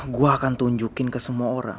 gue akan tunjukin ke semua orang